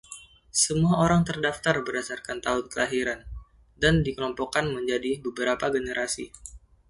Semua orang terdaftar berdasarkan tahun kelahiran dan dikelompokkan menjadi beberapa generasi.